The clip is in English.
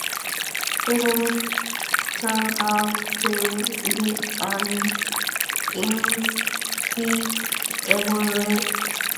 Lilith turns out to be an insatiable lover.